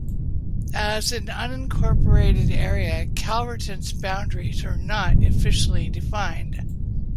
As an unincorporated area, Calverton's boundaries are not officially defined.